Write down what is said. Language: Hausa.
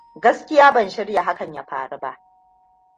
Gaskiya ban shirya hakan ya faru ba.